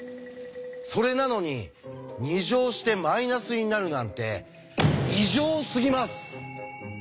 それなのに２乗してマイナスになるなんて異常すぎます！